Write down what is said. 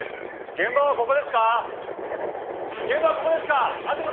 現場はここですか？